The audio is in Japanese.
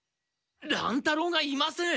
乱太郎がいません。